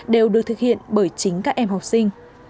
đều được thực hiện bởi chính các em học sinh